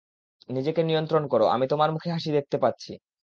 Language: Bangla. নিজেকে নিয়ন্ত্রণ করো, আমি তোমার মুখে হাসি দেখতে পাচ্ছি।